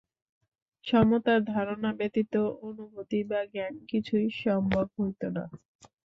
সমতার ধারণা ব্যতীত অনুভূতি বা জ্ঞান কিছুই সম্ভব হইত না।